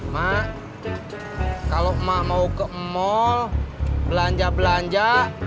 mak kalau emak mau ke mall belanja belanja